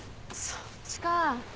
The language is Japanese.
そっちかぁ。